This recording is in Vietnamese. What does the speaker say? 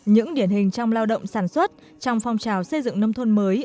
những điển hình trong lao động sản xuất trong phong trào xây dựng nông thôn mới